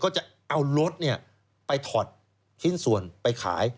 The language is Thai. ก็จะเอารถไปถอดชิ้นส่วนไปขาย